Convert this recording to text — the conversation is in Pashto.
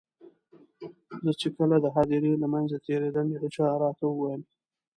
زه چې کله د هدیرې له منځه تېرېدم یو چا راته وویل.